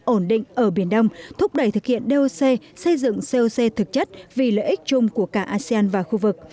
ổn định ở biển đông thúc đẩy thực hiện doc xây dựng coc thực chất vì lợi ích chung của cả asean và khu vực